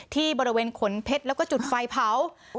ที่บริเวณขนเพชรแล้วก็จุดไฟเผา